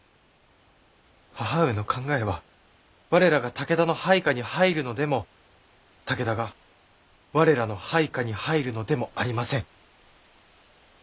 母上の考えは我らが武田の配下に入るのでも武田が我らの配下に入るのでもありません。